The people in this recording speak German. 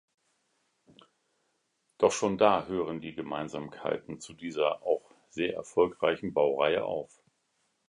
Doch schon da hören die Gemeinsamkeiten zu dieser auch sehr erfolgreichen Baureihe auf.